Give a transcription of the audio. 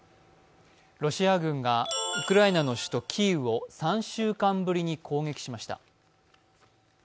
ロシア軍がウクライナの首都キーウを３週間ぶりに攻撃しました。